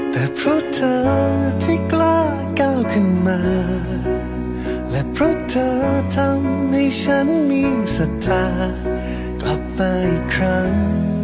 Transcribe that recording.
แต่เพราะเธอที่กล้าก้าวขึ้นมาและเพราะเธอทำให้ฉันมีสัจจากลับมาอีกครั้ง